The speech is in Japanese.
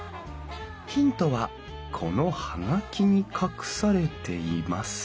ヒントはこの葉書に隠されています。